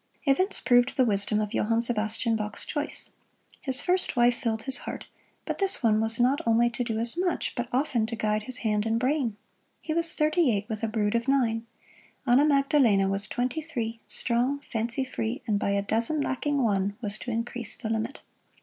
Events proved the wisdom of Johann Sebastian Bach's choice. His first wife filled his heart, but this one was not only to do as much, but often to guide his hand and brain. He was thirty eight with a brood of nine. Anna Magdalena was twenty three, strong, fancy free, and by a dozen, lacking one, was to increase the limit.